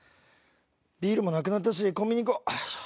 ビールもなくなったしコンビニ行こう。